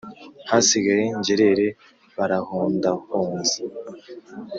Hasigaye ngerere Barahondahonze